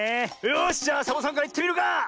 よしじゃあサボさんからいってみるか！